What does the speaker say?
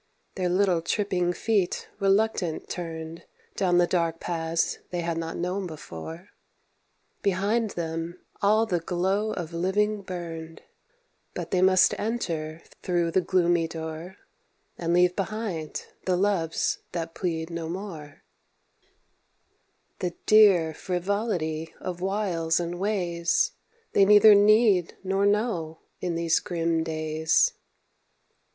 Their little tripping feet reluctant turned Down the dark paths they had not known before; Behind them all the glow of living burned, But they must enter thro' the gloomy door, And leave behind the loves that plead no more, The dear frivolity of wiles and ways They neither need nor know in these grim days.